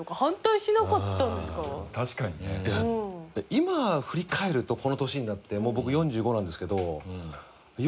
今振り返るとこの年になってもう僕４５なんですけど。